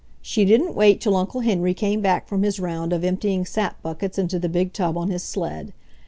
She didn't wait till Uncle Henry came back from his round of emptying sap buckets into the big tub on his sled.